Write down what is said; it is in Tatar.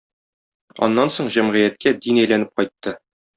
Аннан соң җәмгыятькә дин әйләнеп кайтты.